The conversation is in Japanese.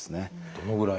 どのぐらい？